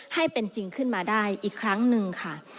ให้เป็นจริงขึ้นมาได้อีกครั้งหนึ่งค่ะ